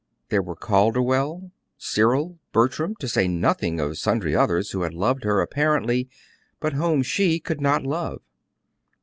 There were Calderwell, Cyril, Bertram, to say nothing of sundry others, who had loved her, apparently, but whom she could not love.